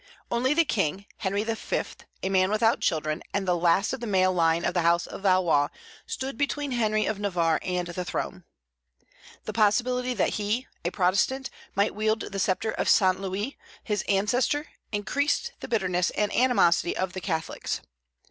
Only the King, Henry III., a man without children, and the last of the male line of the house of Valois, stood between Henry of Navarre and the throne. The possibility that he, a Protestant, might wield the sceptre of Saint Louis, his ancestor, increased the bitterness and animosity of the Catholics.